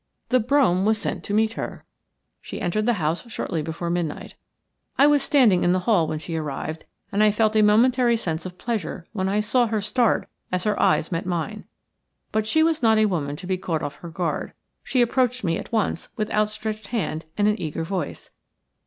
The brougham was sent to meet her. She entered the house shortly before midnight. I was standing in the hall when she arrived, and I felt a momentary sense of pleasure when I saw her start as her eyes met mine. But she was not a woman to be caught off her guard. She approached me at once with outstretched hand and an eager voice.